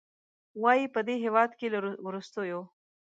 وايي، په دې هېواد کې له وروستیو